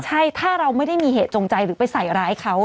ใช่ถ้าเราไม่ได้มีเหตุจงใจหรือไปใส่ร้ายเขา